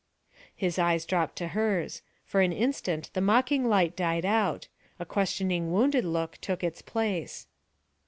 His eyes dropped to hers; for an instant the mocking light died out; a questioning wounded look took its place.